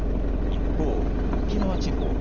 一方、沖縄地方。